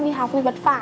đi học thì vất vả